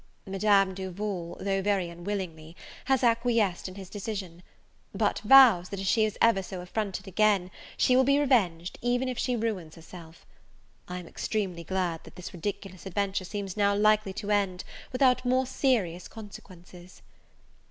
Madame Duval, though very unwillingly, has acquiesced in his decision; but vows, that if she ever is so affronted again, she will be revenged, even if she ruins herself. I am extremely glad that this ridiculous adventure seems now likely to end without more serious consequences.